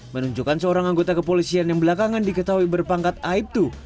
menunjukkan seorang anggota kepolisian yang belakangan diketahui berpangkat aibtu